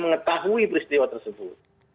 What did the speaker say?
mengetahui peristiwa tersebut